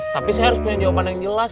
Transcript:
tapi saya harus punya jawaban yang jelas